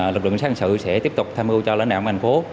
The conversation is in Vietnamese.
lực lượng xã hội sẽ tiếp tục tham ưu cho lãnh đạo ngành phố